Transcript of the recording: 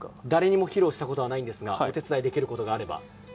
誰にも披露したことがないんですがお手伝いできることがあれば。